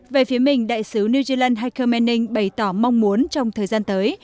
về phía mình đại sứ new zealand heike menning bày tỏ mong muốn trong thời gian tới